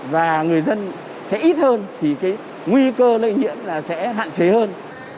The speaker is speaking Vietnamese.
và người dân sẽ ít hơn thì cái nguy cơ lây nhiễm là sẽ hạn chế hơn